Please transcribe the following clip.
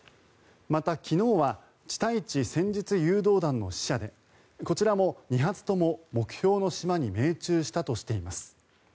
また、昨日は地対地戦術誘導弾の試射でこちらも２発とも目標の島に命中したとしています。